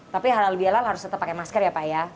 tapi halal bihalal harus tetap pakai masker ya pak ya